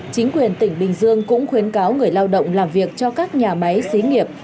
chính quyền tỉnh bình dương cũng khuyến cáo người lao động làm việc cho các nhà máy xí nghiệp